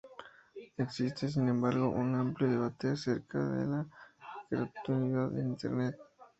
Existe, sin embargo, un amplio debate acerca de la gratuidad en Internet.